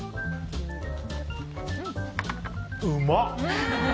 うまっ！